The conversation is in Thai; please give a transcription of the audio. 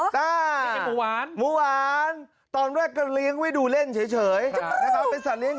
อ้อตัวนี้หรอ